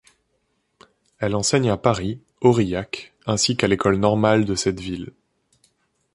Elle enseigne à Paris, Aurillac ainsi qu'à l'École normale de cette ville.